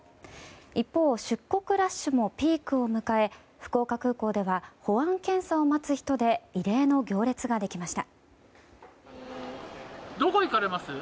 一方出国ラッシュもピークを迎え福岡空港では保安検査を待つ人で異例の行列ができました。